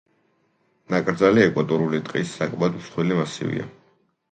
ნაკრძალი ეკვატორული ტყის საკმაოდ მსხვილი მასივია.